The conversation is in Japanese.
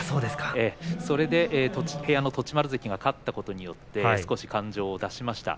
そして部屋の栃丸関が勝ったことによって少し感情を出しました。